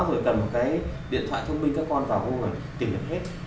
rồi cần một cái điện thoại thông minh các con vào vô và tìm được hết